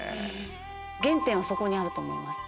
原点はそこにあると思います。